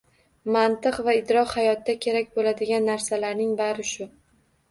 Mantiq va idrok – hayotda kerak bo‘ladigan narsalarning bari shu.